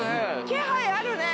気配あるね！